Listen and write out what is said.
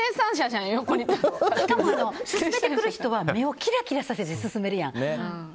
しかも勧めてくる人は目をキラキラさせて勧めるやん。